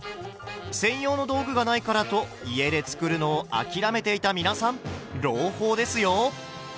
専用の道具がないからと家で作るのを諦めていた皆さん朗報ですよ！